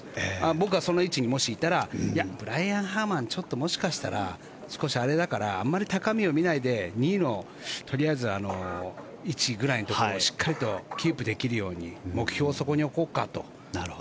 僕はその位置にもしいたらブライアン・ハーマンはもしかしたら、少しあれだからあんまり高みを見ないで２位の位置ぐらいのところでしっかりとキープできるように目標をそこに置こうかと。